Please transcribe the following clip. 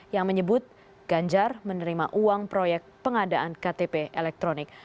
yang menyebut ganjar menerima uang proyek pengadaan ktp elektronik